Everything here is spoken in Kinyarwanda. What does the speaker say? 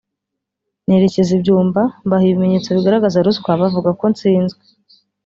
nerekeza i Byumba mbaha ibimenyetso bigaragaza ruswa bavuga ko nsinzwe